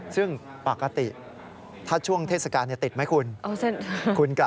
ซึ่งปกติถ้าช่วงเทศกาลติดไหมคุณ